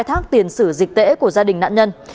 phát tiền xử dịch tễ của gia đình nạn nhân